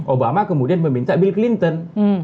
obama kemudian meminta bill clinton